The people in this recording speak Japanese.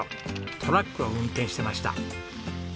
トラックを運転してました。